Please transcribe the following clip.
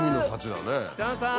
チャンさん！